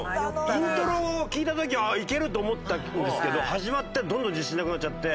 イントロを聞いた時はいけると思ったんですけど始まったらどんどん自信なくなっちゃって。